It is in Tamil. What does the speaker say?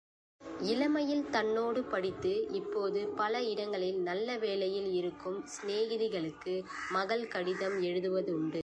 இளமையில் தன்னோடு படித்து இப்போது பல இடங்களில் நல்ல வேளையில் இருக்கும் சிநேகிதிகளுக்கு மகள் கடிதம் எழுதுவதுண்டு.